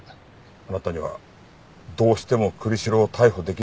あなたにはどうしても栗城を逮捕できない理由があった。